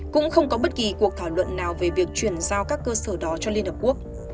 cũng không có bất kỳ cuộc thảo luận nào về việc chuyển giao các cơ sở đó cho liên hợp quốc